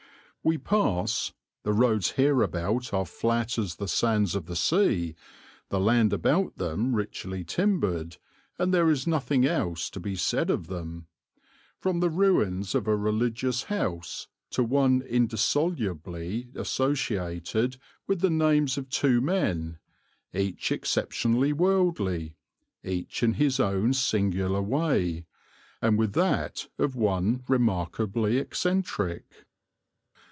We pass (the roads hereabout are flat as the sands of the sea, the land about them richly timbered, and there is nothing else to be said of them) from the ruins of a religious house to one indissolubly associated with the names of two men, each exceptionally worldly, each in his own singular way, and with that of one remarkably eccentric.